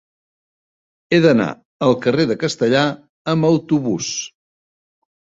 He d'anar al carrer de Castellar amb autobús.